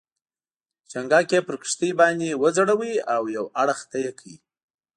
چنګک یې پر کښتۍ باندې وځړاوه او یو اړخ ته یې کړ.